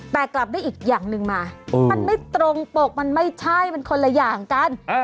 แต่กลับได้อีกอย่างหนึ่งมามันไม่ตรงปกมันไม่ใช่มันคนละอย่างกัน